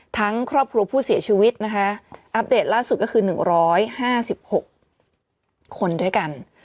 ครอบครัวผู้เสียชีวิตนะคะอัปเดตล่าสุดก็คือ๑๕๖คนด้วยกัน